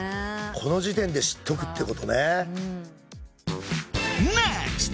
この時点で知っとくってことね。